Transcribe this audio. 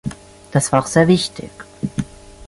Das war auch sehr wichtig.